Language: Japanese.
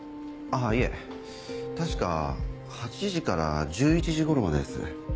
いえ確か８時から１１時頃までです。